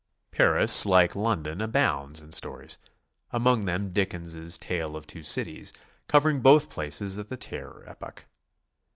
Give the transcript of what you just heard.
Paris, like London, abounds in stories, among them Dickens' "Tale of Two Cities," covering both places at the Terror epoch.